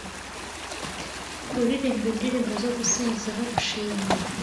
kuririmba indirimbo zo gusingiza no gushima